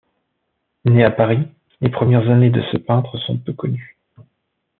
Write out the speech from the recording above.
Né à Paris, les premières années de ce peintre sont peu connues.